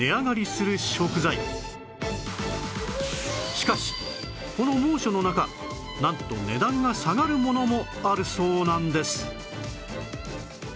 しかしこの猛暑の中なんと値段が下がるものもあるそうなんです